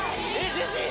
ジェシー